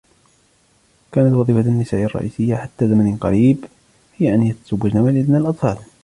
كانت وظيفة النساء الرئيسية حتى زمن قريب هي أن يتزوجن ويلدن الأطفال.